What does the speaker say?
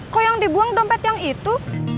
kok yang dibuang dompet yang itu